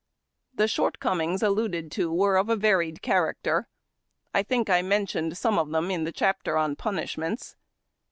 ' The shortcomino s alluded to were of a varied character. I think I mentioned some of them in the chapter on punish ments.